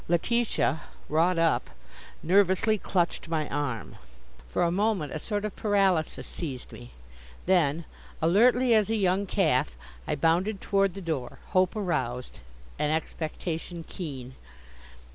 Letitia, wrought up, nervously clutched my arm. For a moment a sort of paralysis seized me. Then, alertly as a young calf, I bounded toward the door, hope aroused, and expectation keen.